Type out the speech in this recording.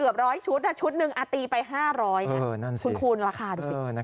เกือบร้อยชุดนะชุดหนึ่งอาตีไป๕๐๐คุณคูณราคาดูสิ